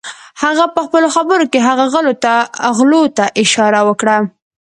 هغه پهخپلو خبرو کې هغو غلو ته اشاره وکړه.